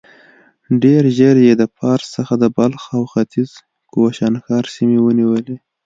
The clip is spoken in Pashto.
ډېر ژر يې د پارس څخه د بلخ او ختيځ کوشانښار سيمې ونيولې.